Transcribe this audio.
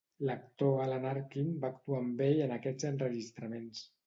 L'actor Alan Arkin va actuar amb ell en aquests enregistraments.